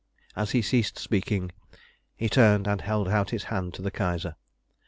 As he ceased speaking, he turned and held out his hand to the Kaiser.